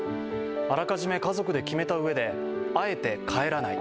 あらかじめ家族で決めたうえで、あえて帰らない。